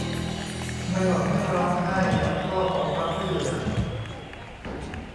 ทำไมหล่อนไม่ร้องไห้แล้วก็ขอความช่วยเหลือ ?